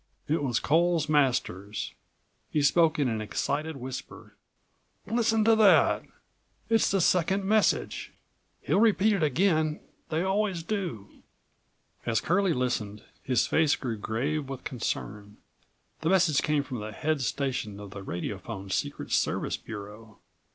It was Coles Masters. He spoke in an excited whisper. "Listen to that! It's the second message. He'll repeat it again. They always do." As Curlie listened, his face grew grave with concern. The message came from the head station of the radiophone secret service bureau.